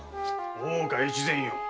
大岡越前よ。